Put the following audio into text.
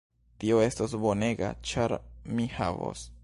Tio estos bonega ĉar mi havos